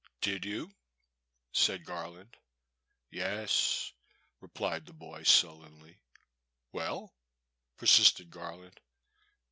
*' Did you ?" said Garland. Yes," replied the boy, sullenly, Well ?" persisted Garland.